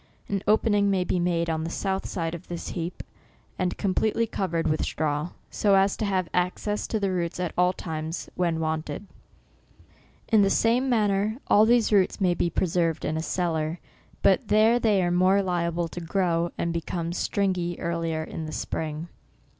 An opening may be made on the south side of this heap, and completely covered with straw, so as to have access to the roots at all times, when wanted. In the same manner all these roots may be preserved in a cellar, but there they are more liable to grow, and become stringey earlier in the spring.